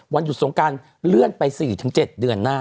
วันหยุดสงการเลื่อนไป๔๗เดือนหน้า